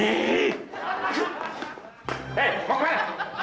eh mau kemana